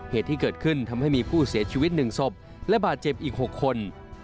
เหตุที่เกิดขึ้นทำให้มีผู้เสียชีวิต๑ศพและบาดเจ็บอีก๖คน